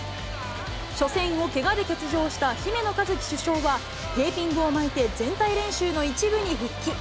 初戦をけがで欠場した姫野和樹主将は、テーピングを巻いて、全体練習の一部に復帰。